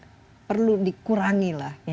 banyak perlu dikurangi lah